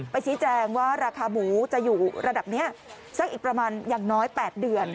ชี้แจงว่าราคาหมูจะอยู่ระดับนี้สักอีกประมาณอย่างน้อย๘เดือน